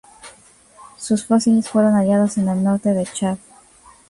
Sus fósiles fueron hallados en el norte de Chad.